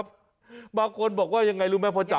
แบบนี้คือแบบนี้คือแบบนี้คือแบบนี้คือ